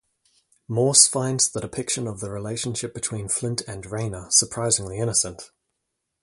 Morse finds the depiction of the relationship between Flint and Rayna surprisingly innocent.